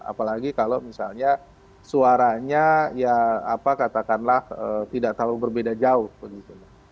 apalagi kalau misalnya suaranya ya apa katakanlah tidak terlalu berbeda jauh begitu